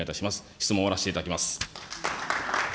質問終わらせていただきます。